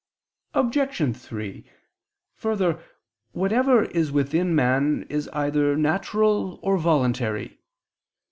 Obj. 3: Further, whatever is within man is either natural or voluntary.